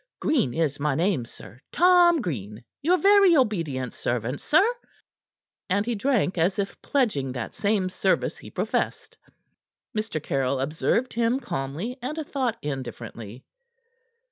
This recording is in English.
Green is my name, sir Tom Green your very obedient servant, sir." And he drank as if pledging that same service he professed. Mr. Caryll observed him calmly and a thought indifferently.